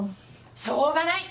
しょうがない！